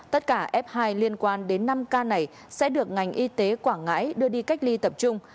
tất cả f hai liên quan đến năm ca này sẽ được ngành y tế quảng ngãi đưa đi cách ly tập trung